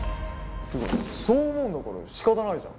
そう思うんだからしかたないじゃん。